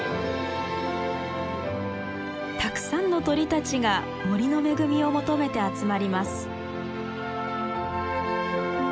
たくさんの鳥たちが森の恵みを求めて集まります。